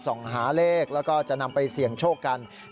ส่องหาเลขแล้วก็จะนำไปเสี่ยงโชคกัน